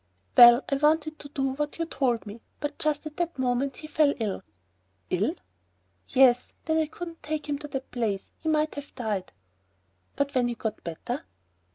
"Well, I wanted to do what you told me, but just at that very moment he fell ill." "Ill?" "Yes. Then I couldn't take him to that place. He might have died." "But when he got better?"